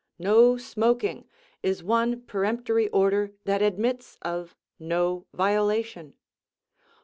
"No smoking" is one peremptory order that admits of no violation.